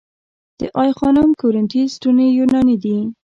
د آی خانم کورینتی ستونې یوناني دي